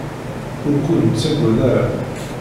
Ur ken-nettaggad ara.